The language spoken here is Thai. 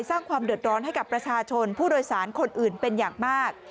สร้างความเดือดร้อนให้กับประชาชนผู้โดยสารคนอื่นเป็นอย่างมาก